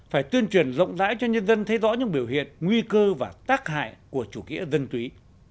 phải tuyên truyền rộng rãi cho nhân dân thấy rõ những biểu hiện nguy cơ và tác hại của chủ nghĩa dân túy